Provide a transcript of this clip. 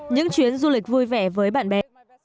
những chuyến du lịch vui vẻ với bạn bè